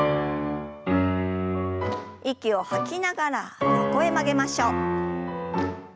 息を吐きながら横へ曲げましょう。